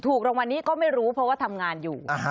ถูกรางวัลนี้ก็ไม่รู้เพราะว่าทำงานอยู่